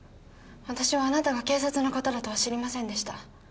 私はあなたが警察の方だとは知りませんでした